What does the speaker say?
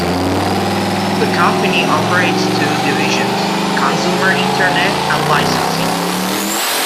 The company operates two divisions: consumer internet and licensing.